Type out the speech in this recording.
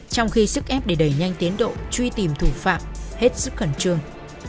trong khi sức ép để đẩy nhanh tiến độ truy tìm thủ phạm hết sức khẩn trương